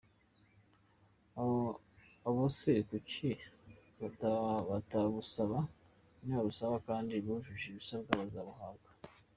Abo se kuki batabusaba? Nibabusaba kandi bujuje ibisabwa bazabuhabwa.